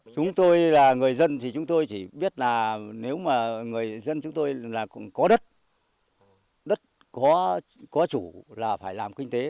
chúng tôi là người dân thì chúng tôi chỉ biết là nếu mà người dân chúng tôi là cũng có đất đất có chủ là phải làm kinh tế